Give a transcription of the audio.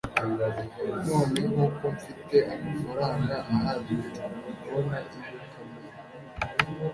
Noneho ko mfite amafaranga ahagije nshobora kubona iyo kamera